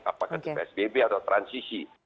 apakah itu psbb atau transisi